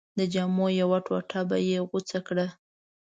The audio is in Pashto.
د جامو یوه ټوټه به یې غوڅه کړه.